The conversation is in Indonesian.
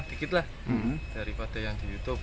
sedikit lah daripada yang di youtube